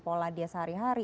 pola dia sehari hari